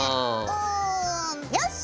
うんよし！